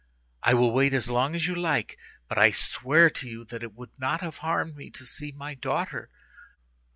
I will wait as long as you like, but I swear to you that it would not have harmed me to see my daughter.